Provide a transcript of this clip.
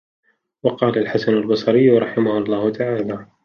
وَقَالَ الْحَسَنُ الْبَصْرِيُّ رَحِمَهُ اللَّهُ تَعَالَى